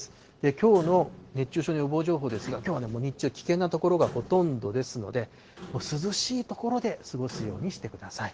きょうの熱中症の予防情報ですが、きょうはね、もう日中、危険な所がほとんどですので、涼しい所で過ごすようにしてください。